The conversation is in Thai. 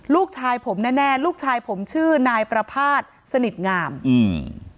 ลูกชายผมแน่แน่ลูกชายผมชื่อนายประภาษณ์สนิทงามอืม